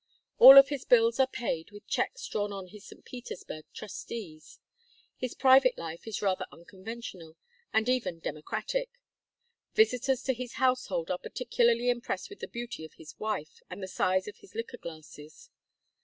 All of his bills are paid with checks drawn on his St. Petersburg trustees. His private life is rather unconventional and even democratic. Visitors to his household are particularly impressed with the beauty of his wife and the size of his liquor glasses.